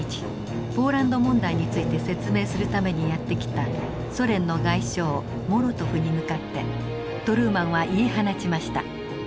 ポーランド問題について説明するためにやって来たソ連の外相モロトフに向かってトルーマンは言い放ちました。